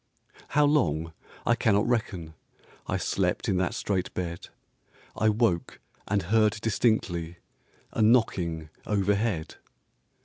How long I cannot reckon, I slept in that strait bed; I woke and heard distinctly A knocking overhead.